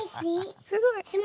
すごい。